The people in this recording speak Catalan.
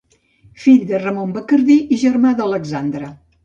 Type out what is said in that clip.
Fill de Ramon Bacardí i germà d'Alexandre.